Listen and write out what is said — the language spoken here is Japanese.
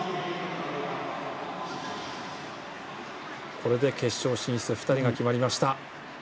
これで決勝進出２人が決まりました。